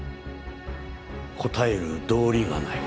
答える道理がない。